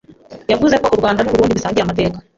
yavuze ko u Rwanda n’u Burunndi bisangiye amateka